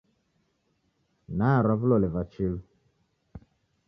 Narwa vilole va chilu.